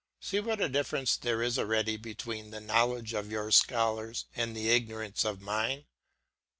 See what a difference there is already between the knowledge of your scholars and the ignorance of mine.